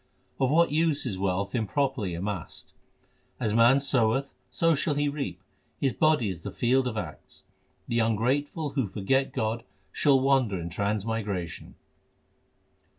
Of what use is wealth improperly amassed ? As man soweth, so shall he reap ; his body is the field of acts. The ungrateful who forget God shall wander in trans migration.